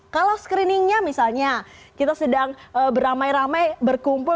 kalau screeningnya misalnya kita sedang beramai ramai berkumpul